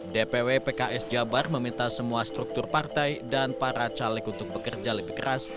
dpw pks jabar meminta semua struktur partai dan para caleg untuk bekerja lebih keras